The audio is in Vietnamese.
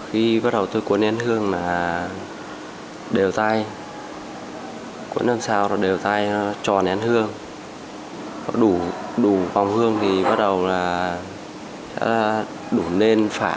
hương thì bắt đầu là đủ nền phản